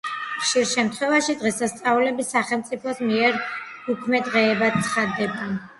ხშირ შემთხვევაში, დღესასწაულები სახელმწიფოს მიერ უქმე დღეებად ცხადდება.